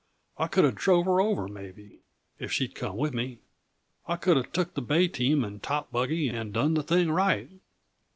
I coulda drove her over, maybe if she'd come with me. I coulda took the bay team and top buggy, and done the thing right.